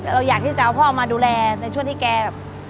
เราอยากที่จะเอาพ่อมาดูแลในช่วงที่แกแบบ